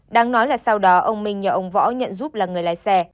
đáng nói là sau đó ông minh nhờ ông võ nhận giúp là người lái xe